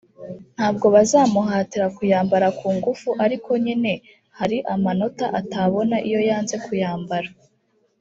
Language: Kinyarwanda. ntabwo bazamuhatira kuyambara ku ngufu ariko nyine hari amanota atabona iyo yanze kuyambara